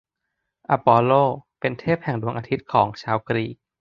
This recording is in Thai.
อปอลโล เป็นเทพแห่งดวงอาทิตย์ของชาวกรีก